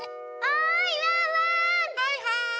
はいはい。